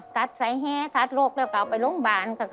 กัดสายแฮคักลกแล้วเขาไปโรงพยาบาล